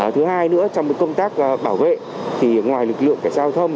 thứ hai nữa trong công tác bảo vệ thì ngoài lực lượng cảnh giao thông